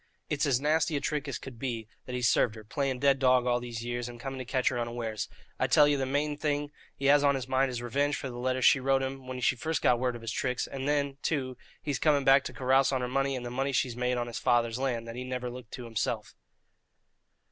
It's as nasty a trick as could be that he's served her, playing dead dog all these years, and coming to catch her unawares. I tell ye the main thing he has on his mind is revenge for the letters she wrote him when she first got word of his tricks, and then, too, he's coming back to carouse on her money and the money she's made on his father's land, that he niver looked to himself."